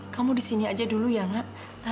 kamu di sini aja dulu ya ngab